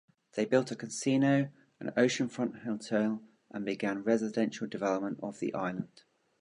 They built a casino, an oceanfront hotel and began residential development of the island.